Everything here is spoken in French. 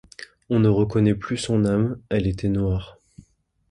On ne reconnaît plus son âme ; elle était noire